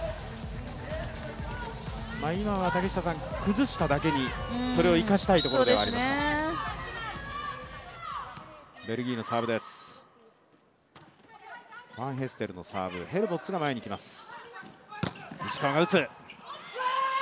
今は崩しただけに、それを生かしたいところではありました。